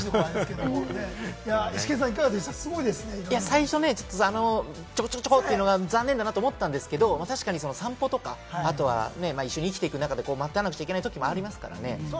最初、ちょこちょこっというのが残念だなと思ったんですけれども、確かに散歩とか一緒に生きていく中で待たなくちゃいけないときもありますからね。